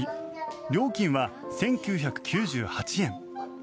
料金は１９９８円。